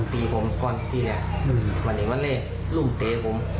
ตรงตีทันต่ออยากบอก